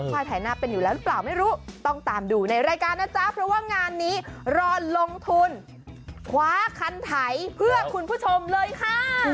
ถ่ายหน้าเป็นอยู่แล้วหรือเปล่าไม่รู้ต้องตามดูในรายการนะจ๊ะเพราะว่างานนี้รอลงทุนคว้าคันไถเพื่อคุณผู้ชมเลยค่ะ